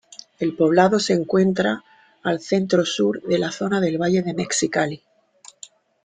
El poblado se encuentra al centro-sur de la zona del valle de Mexicali.